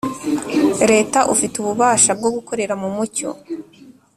Leta ufite ububasha bwo gukorera mu mucyo